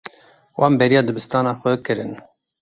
Wan bêriya dibistana xwe kirin.